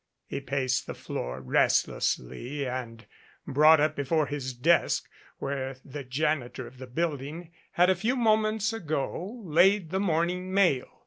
He paced the floor restlessly and brought up before his desk, where the janitor of the building had a few moments ago laid the morning mail.